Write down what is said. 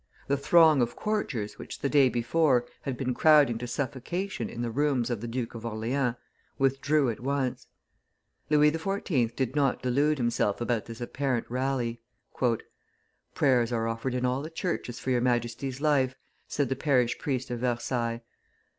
The throng of courtiers, which, the day before, had been crowding to suffocation in the rooms of the Duke of Orleans, withdrew at once. Louis XIV. did not delude himself about this apparent rally. "Prayers are offered in all the churches for your Majesty's life," said the parish priest of Versailles.